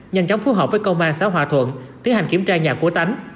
nhanh chóng phù hợp với công an xã hòa thuận tiến hành kiểm tra nhà của tánh